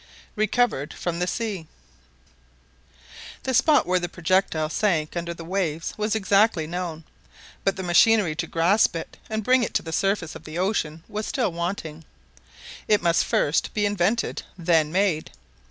RECOVERED FROM THE SEA The spot where the projectile sank under the waves was exactly known; but the machinery to grasp it and bring it to the surface of the ocean was still wanting. It must first be invented, then made.